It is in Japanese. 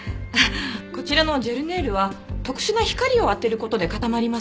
こちらのジェルネイルは特殊な光を当てる事で固まります。